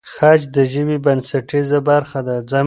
خج د ژبې بنسټیزه برخه ده.